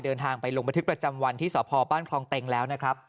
เดินทางไปลงบันทึกประจำวันที่สพบ้านคลองเต็งแล้วนะครับ